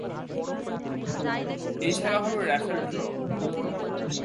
এ ছাড়া হবে raffle draw.